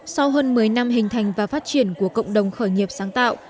sau hơn một mươi năm hình thành và phát triển của cộng đồng khởi nghiệp sáng tạo